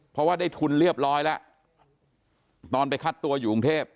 เพราะว่าได้ทุนเรียบร้อยแล้วตอนไปคัดตัวอยู่กรุงเทพ